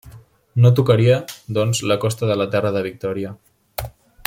No tocaria, doncs, la costa de la Terra de Victòria.